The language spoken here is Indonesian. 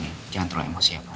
jangan terlalu emosi pak